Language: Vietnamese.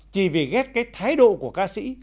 chỉ vì ghét cái thái độ của ca sĩ